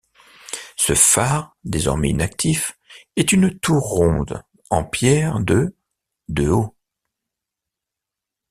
Ce phare, désormais inactif, est une tour ronde en pierre de de haut.